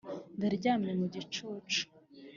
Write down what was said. ndaryamye mu gicucu.